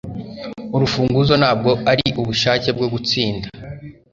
Urufunguzo ntabwo ari ubushake bwo gutsinda.